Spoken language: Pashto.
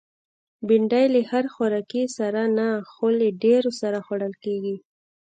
بېنډۍ له هر خوراکي سره نه، خو له ډېرو سره خوړل کېږي